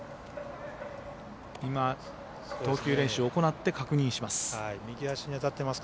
今、投球練習を行って確認をします。